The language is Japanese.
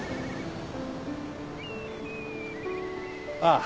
ああ。